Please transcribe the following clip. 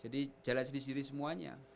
jadi jalan sendiri sendiri semuanya